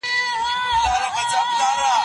ونې بې پاڼو نه وي.